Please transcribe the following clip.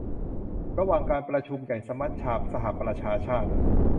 ระหว่างการประชุมใหญ่สมัชชาสหประชาชาติ